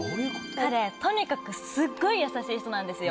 彼とにかくすごい優しい人なんですよ